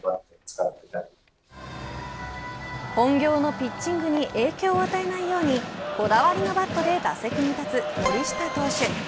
本業のピッチングに影響を与えないようにこだわりのバットで打席に立つ森下投手。